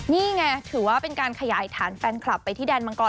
นี่ไงถือว่าเป็นการขยายฐานแฟนคลับไปที่แดนมังกร